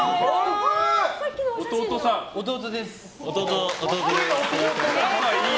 弟です！